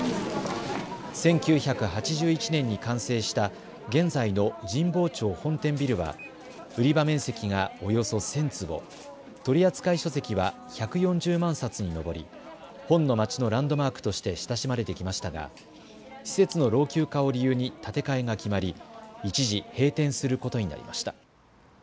１９８１年に完成した現在の神保町本店ビルは売り場面積がおよそ１０００坪取り扱い書籍は１４０万冊に上り本の街のランドマークとして親しまれてきましたが施設の老朽化を理由に建て替えが決まり一時閉店することになりました。